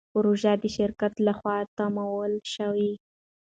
پروژه د شرکت له خوا تمویل شوه.